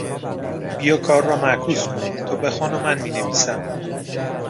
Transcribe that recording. بیا کار را معکوس کنیم -- تو بخوان و من مینویسم.